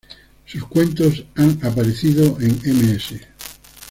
Sus cuentos han aparecido en "Ms.